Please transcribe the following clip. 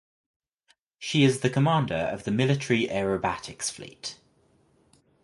She is the commander of the military aerobatics fleet.